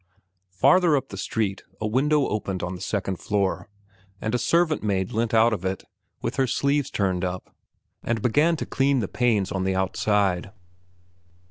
Farther up the street a window opened on the second floor, and a servant maid leant out of it, with her sleeves turned up, and began to clean the panes on the outside.